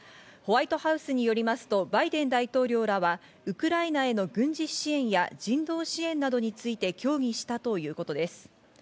ホワイトハウスによりますとバイデン大統領らはウクライナへの軍事支援や人道支援などについて協議したということです。